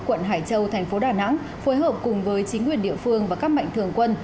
quận hải châu thành phố đà nẵng phối hợp cùng với chính quyền địa phương và các mạnh thường quân